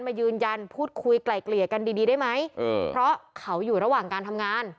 มายืนยันพูดคุยไกล่เกลี่ยกันดีดีได้ไหมเพราะเขาอยู่ระหว่างการทำงาน